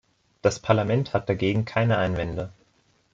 Das Parlament hat dagegen keine Einwände.